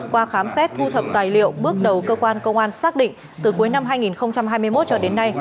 qua khám xét thu thập tài liệu bước đầu cơ quan công an xác định từ cuối năm hai nghìn hai mươi một cho đến nay